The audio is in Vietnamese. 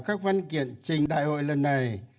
các văn kiện trình đại hội lần này